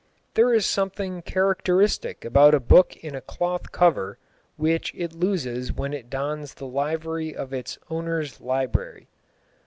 There is something characteristic about a book in a cloth cover which it loses when it dons the livery of its owner's library.